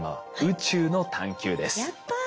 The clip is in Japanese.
やった。